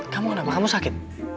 kamu kenapa kamu sakit